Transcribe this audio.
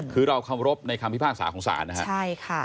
คือเราคำรบในคำพิพากษาของศาลนะครับ